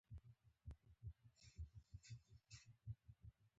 کيداشي موږ هم د خدای روباټان يو او پروګرام به راکول کېږي.